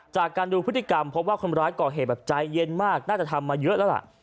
จากการดูพฤติกรรมพบว่าคนร้ายก่อเหตุแบบใจเย็นมากน่าจะทำมาเยอะแล้วล่ะ